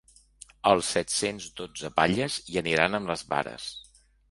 Els set-cents dotze batlles hi aniran amb les vares.